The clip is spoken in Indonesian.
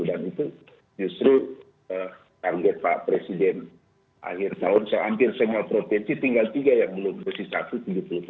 dan itu justru target pak presiden akhir tahun yang hampir semua protesi tinggal tiga yang belum